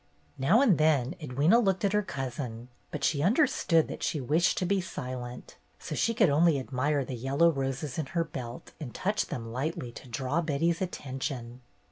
Now and then Edwyna looked at her cousin, but she understood that she wished to be silent, so she could only admire the yellow roses in her belt and touch them lightly to draw Betty's attention.